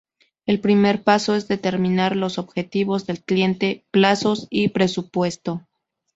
El primer paso es determinar los objetivos del cliente, plazos y presupuesto.